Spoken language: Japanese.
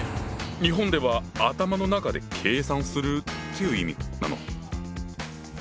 日本では「頭の中で計算する」という意味なの？